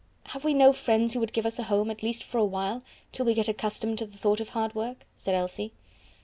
"Have we no friends who would give us a home at least for a while, till we get accustomed to the thought of hard work?" said Elsie.